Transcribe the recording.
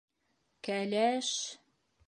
Кәлә-әш!